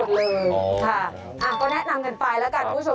ค่ะก็แนะนำกันไปแล้วกัน